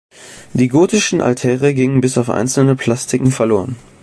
Die gotischen Altäre gingen bis auf einzelne Plastiken verloren.